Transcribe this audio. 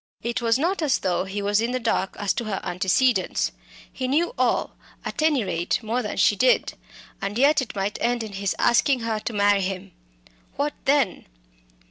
It was not as though he were in the dark as to her antecedents. He knew all at any rate, more than she did and yet it might end in his asking her to marry him. What then?